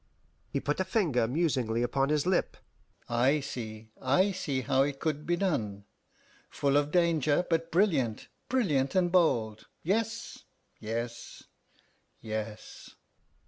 He put a finger musingly upon his lip. "I see I see how it could be done. Full of danger, but brilliant, brilliant and bold! Yes, yes...yes!"